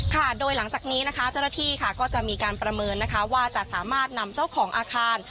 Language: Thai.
ค่ะโดยหลังจากนี้นะคะเจ้าหน้าที่ค่ะก็จะมีการประเมินนะคะว่าจะสามารถนำเจ้าของอาคาร